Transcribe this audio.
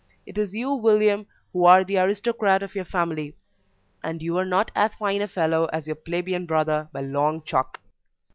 It is you, William, who are the aristocrat of your family, and you are not as fine a fellow as your plebeian brother by long chalk."